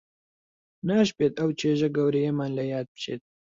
ناشبێت ئەو چێژە گەورەیەمان لە یاد بچێت